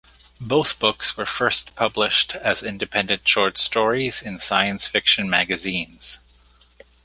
Both books were first published as independent short stories in science fiction magazines.